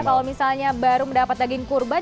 kalau misalnya baru mendapat daging kurban